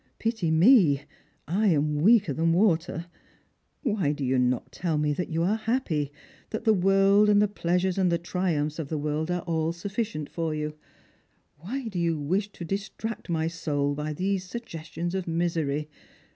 Pity me. I am weaker than water. Why do you not tell me that you are happy — that the world, and the plea sures and triumphs of the world, are all sufficient for you? Why do you wish to distract my soul by these suggestions of misery